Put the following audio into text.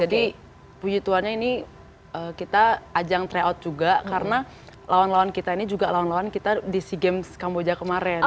jadi puji tuhannya ini kita ajang try out juga karena lawan lawan kita ini juga lawan lawan kita di sea games kamboja kemarin